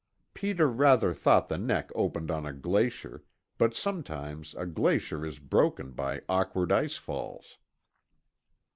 Peter rather thought the neck opened on a glacier, but sometimes a glacier is broken by awkward ice falls.